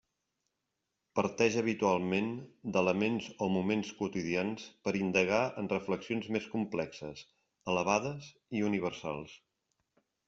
Parteix habitualment d'elements o moments quotidians per indagar en reflexions més complexes, elevades i universals.